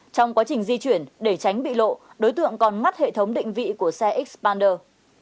trong quá trình di chuyển để tránh bị lộ đối tượng còn mắt hệ thống định vị của xe ex bander